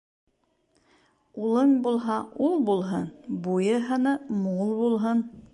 Улын булһа, ул булһын -Буйы-һыны мул булһын.